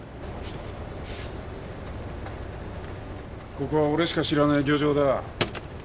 ここは俺しか知らねえ漁場だ。